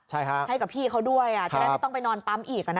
ใช่ฮะให้กับพี่เขาด้วยจะได้ไม่ต้องไปนอนปั๊มอีก